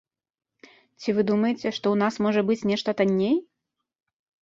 Ці вы думаеце, што ў нас можа быць нешта танней?